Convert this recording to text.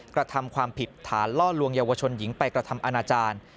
กระทำความผิดฐานล่อลวงเยาวชนหญิงไปกระทำอาณาจารย์